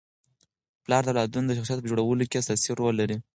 پلار د اولادونو د شخصیت په جوړولو کي اساسي رول لري.